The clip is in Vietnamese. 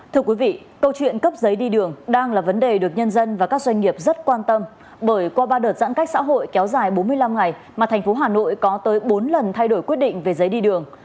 thưa quý vị câu chuyện cấp giấy đi đường đang là vấn đề được nhân dân và các doanh nghiệp rất quan tâm bởi qua ba đợt giãn cách xã hội kéo dài bốn mươi năm ngày mà thành phố hà nội có tới bốn lần thay đổi quyết định về giấy đi đường